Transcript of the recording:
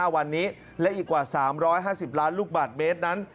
๕วันนี้และอีกกว่า๓๕๐ล้านลูกบาทเมตรนั้น